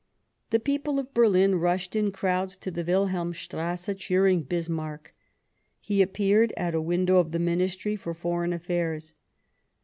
The people of Berlin rushed in crowds to the Wil helmstrasse cheering Bismarck. He appeared at a window of the Ministry for Foreign Affairs.